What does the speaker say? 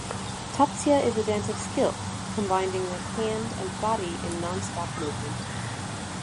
Tatsia is a dance of skill, combining the hand and body in non-stop movement.